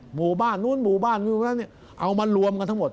หมู่บ้านนู้นหมู่บ้านนู้นเอามันรวมกันทั้งหมด